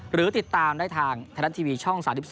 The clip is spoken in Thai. หรือติดตามได้ทางไทยรัฐทีวีช่อง๓๒